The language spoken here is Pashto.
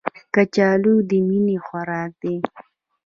کچالو د مینې خوراک دی